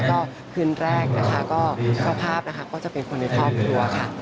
ก็คืนแรกนะคะก็เจ้าภาพนะคะก็จะเป็นคนในครอบครัวค่ะ